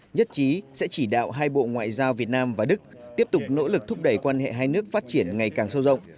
nhất trí sẽ chỉ đạo hai bộ ngoại giao việt nam và đức tiếp tục nỗ lực thúc đẩy quan hệ hai nước phát triển ngày càng sâu rộng